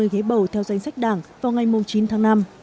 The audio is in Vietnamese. một trăm năm mươi ghế bầu theo danh sách đảng vào ngày chín tháng năm